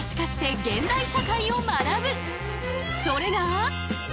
それが。